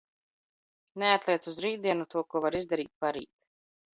Neatliec uz r?tdienu to, ko var izdar?t par?t.